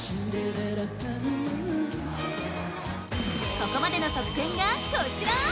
ここまでの得点がこちら